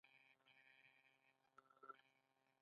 ایا زه به په ویلچیر کینم؟